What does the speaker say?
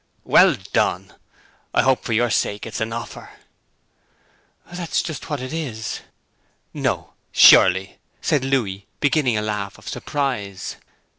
'Well done! I hope for your sake it is an offer.' 'That's just what it is.' 'No, surely?' said Louis, beginning a laugh of surprise.